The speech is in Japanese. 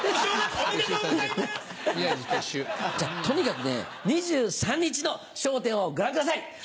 とにかくね２３日の『笑点』をご覧ください